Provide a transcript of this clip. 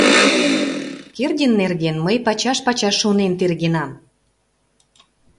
Кердин нерген мый пачаш-пачаш шонен тергенам.